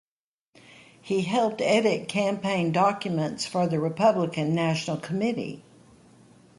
He helped edit campaign documents for the Republican national committee.